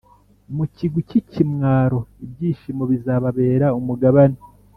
mu kigwi cy’ikimwaro, ibyishimo bizababera umugabane;